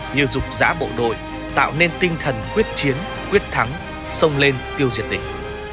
như rục rã bộ đội tạo nên tinh thần quyết chiến quyết thắng sông lên tiêu diệt địch